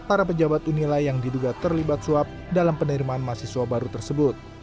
para pejabat unila yang diduga terlibat suap dalam penerimaan mahasiswa baru tersebut